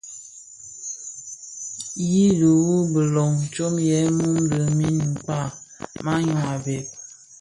Yi dhiwu bilom tsom yè mum di nin kpag maňyu a bhëg.